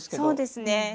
そうですね